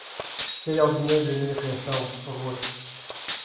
Cheguei ao dinheiro da minha pensão, por favor?